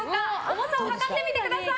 重さを量ってみてください。